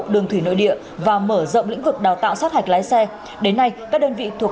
đường thủy nội địa và mở rộng lĩnh vực đào tạo sát hạch lái xe đến nay các đơn vị thuộc